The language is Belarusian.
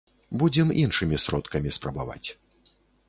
Будзем іншымі сродкамі спрабаваць.